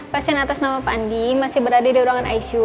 pasien atas nama pak andi masih berada di ruangan icu